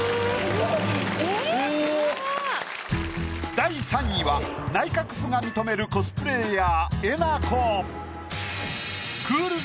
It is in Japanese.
第３位は内閣府が認めるコスプレイヤー。